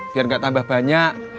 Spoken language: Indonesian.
biar gak tambah banyak